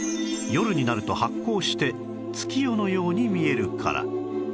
夜になると発光して月夜のように見えるから